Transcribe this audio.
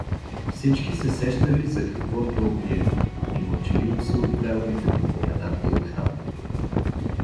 Всички се сещали за какво то бие и мълчеливо се отправяли към поменатия храм.